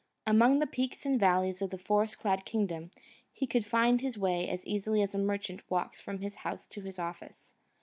Among the peaks and valleys of that forest clad kingdom he could find his way as easily as a merchant walks from his house to his office.